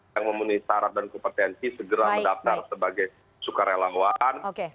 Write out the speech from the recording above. yang memenuhi syarat dan kompetensi segera mendaftar sebagai sukarelawan